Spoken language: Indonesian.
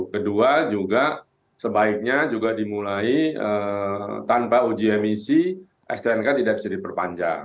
kedua juga sebaiknya juga dimulai tanpa uji emisi stnk tidak bisa diperpanjang